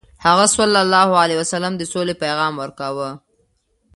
هغه ﷺ د سولې پیغام ورکاوه.